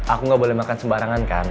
aku nggak boleh makan sembarangan kan